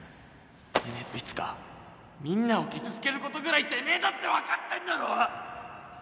でねえといつかみんなを傷つけることぐらいてめえだって分かってんだろ！？